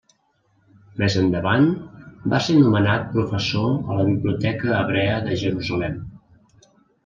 Més endavant va ser nomenat professor a la Biblioteca Hebrea de Jerusalem.